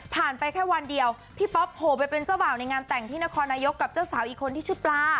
ไปแค่วันเดียวพี่ป๊อปโผล่ไปเป็นเจ้าบ่าวในงานแต่งที่นครนายกกับเจ้าสาวอีกคนที่ชื่อปลา